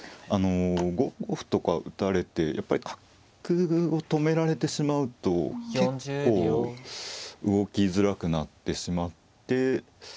５五歩とか打たれてやっぱり角を止められてしまうと結構動きづらくなってしまって。